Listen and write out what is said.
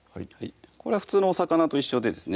これは普通のお魚と一緒でですね